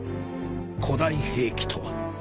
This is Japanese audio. ［古代兵器とは］